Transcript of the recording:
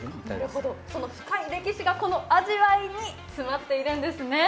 この歴史がこの味わいに詰まっているんですね。